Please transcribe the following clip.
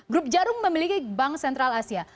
grup jarum memiliki bank sentral asia